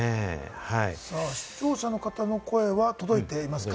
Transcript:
視聴者の方の声は届いていますか？